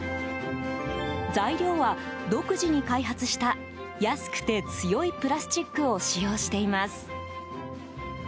材料は、独自に開発した安くて強いプラスチックを使用しています。